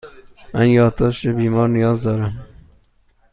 من یادداشت بیمار نیاز دارم.